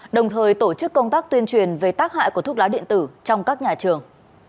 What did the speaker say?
đồng thời tổ chức công tác tuyên truyền về tác hại của thuốc lá điện tử trong các nhà trường